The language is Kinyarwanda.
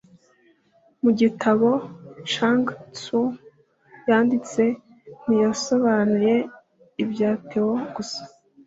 mu gitabo chuang tzu yanditse, ntiyasobanuye ibya tao gusa